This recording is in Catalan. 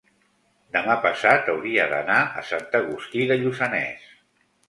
demà passat hauria d'anar a Sant Agustí de Lluçanès.